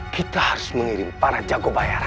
kita harus mengirim para jago bayar